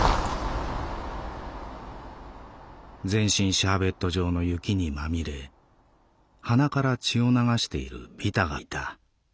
「全身シャーベット状の雪にまみれ鼻から血を流しているビタがいた。